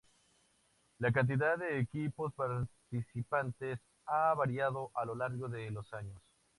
La cantidad de equipos participantes ha variado a lo largo de los años.